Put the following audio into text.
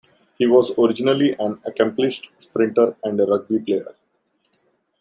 He was originally an accomplished sprinter and a rugby player.